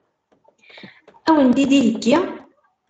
Ad wen-t-id-iheggi?